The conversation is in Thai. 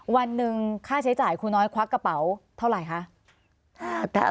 วันหนึ่งค่าใช้จ่ายครูน้อยควักกระเป๋าเท่าไหร่คะ